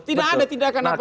tidak ada tidak akan apa apa